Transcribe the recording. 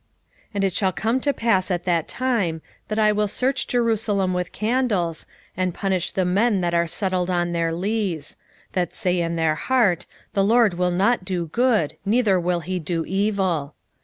1:12 And it shall come to pass at that time, that I will search Jerusalem with candles, and punish the men that are settled on their lees: that say in their heart, The LORD will not do good, neither will he do evil.